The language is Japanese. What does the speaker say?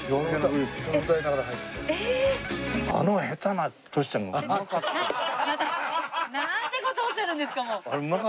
またなんて事おっしゃるんですか！